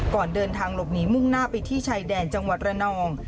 ก่อนเดินทางหลบหนีมุ่งหน้าไปที่ชายแดนจังหวัดระนอง